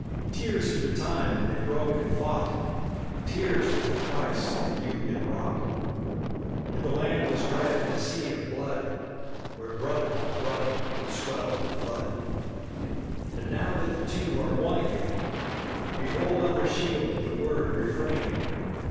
Tears for the time when they broke and fought! Tears was the price of the union wrought! And the land was red in a sea of blood, Where brother for brother had swelled the flood! And now that the two are one again, Behold on their shield the word "Refrain!"